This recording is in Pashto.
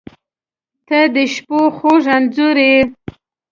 • ته د شپو خوږ انځور یې.